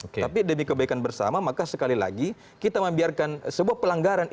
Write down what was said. tapi demi kebaikan bersama maka sekali lagi kita membiarkan sebuah pelanggaran